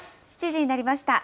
７時になりました。